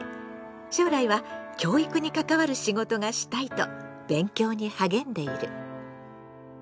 将来は教育に関わる仕事がしたいと勉強に励んでいる。